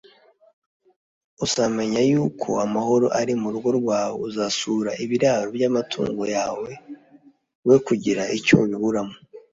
uzamenya yuko amahoro ari mu rugo rwawe, uzasura ibiraro by’amatungo yawe, we kugira icyo ubiburamo